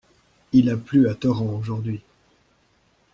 Il a plu à torrent aujourd’hui.